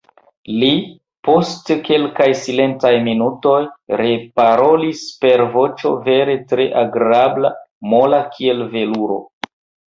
Li, post kelkaj silentaj minutoj, reparolis per voĉo vere tre agrabla, mola kiel veluro: